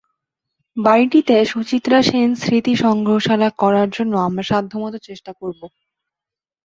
বাড়িটিতে সুচিত্রা সেন স্মৃতি সংগ্রহশালা করার জন্য আমরা সাধ্যমতো চেষ্টা করব।